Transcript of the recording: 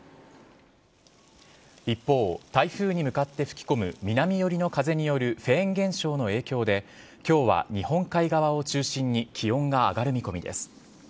一方、台風に向かって吹き込む南寄りの風によるフェーン現象の影響で、きょうは日本海側を中心に気温が上がる見込みです。